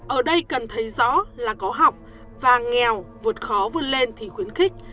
ở đây cần thấy rõ là có học và nghèo vượt khó vươn lên thì khuyến khích